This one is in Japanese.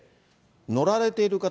乗られている方